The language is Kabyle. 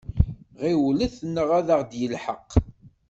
Ɣiwlet neɣ ad aɣ-d-yelḥeq!